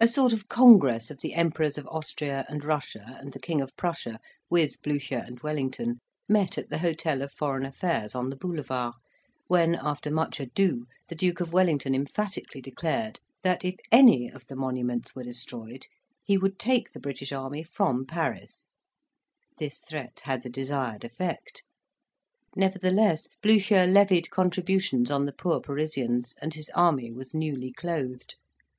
A sort of congress of the Emperors of Austria and Russia and the King of Prussia, with Blucher and Wellington, met at the Hotel of Foreign Affairs, on the Boulevard, when, after much ado, the Duke of Wellington emphatically declared that if any of the monuments were destroyed he would take the British army from Paris: this threat had the desired effect. Nevertheless, Blucher levied contributions on the poor Parisians, and his army was newly clothed.